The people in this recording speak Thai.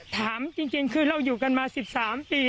ถามจริงคือเราอยู่กันมา๑๓ปี